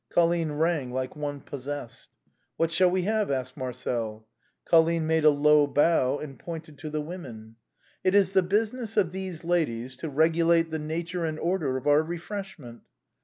Colline rang like one possessed. " What shall we have ?" said Marcel. Colline made a low bow, and pointed to the women. " It is the business of these ladies to regulate the nature and order of our refreshment."